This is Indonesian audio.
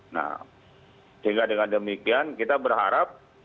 nah sehingga dengan demikian kita berharap